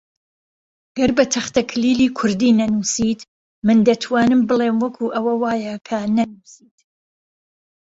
گەر بە تەختەکلیلی کوردی نەنووسیت، من دەتوانم بڵێم وەکو ئەوە وایە کە نەنووسیت